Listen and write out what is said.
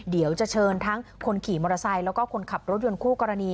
เดี๋ยวจะเชิญทั้งคนขี่มอเตอร์ไซค์แล้วก็คนขับรถยนต์คู่กรณี